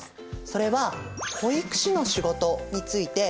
それは保育士の仕事について。